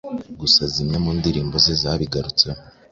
gusa zimwe mu ndirimbo ze zabigarutseho